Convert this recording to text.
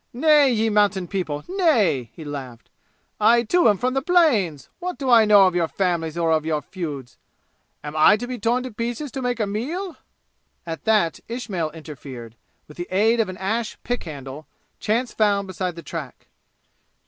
"Nay, ye mountain people; nay!" he laughed. "I, too, am from the plains! What do I know of your families or of your feuds? Am I to be torn to pieces to make a meal?" At that Ismail interfered, with the aid of an ash pick handle, chance found beside the track.